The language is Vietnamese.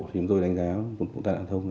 rồi đánh giá vụ tai nạn thông